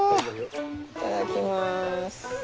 いただきます。